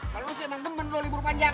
kalung masih emang temen lo libur panjang